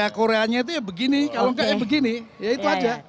ya koreanya itu ya begini kalau enggak ya begini ya itu aja